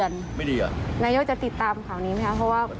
นายกจะติดตามข่าวนี้ไหมคะเพราะว่า